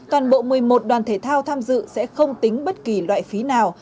toàn bộ một mươi một đoàn thể thao tham dự sẽ không tính bất kỳ loại phí nào